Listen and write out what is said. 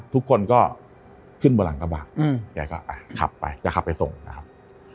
ทุกคนก็ขึ้นบนหลังกระบะแกก็ขับไปแกขับไปส่งนะครับ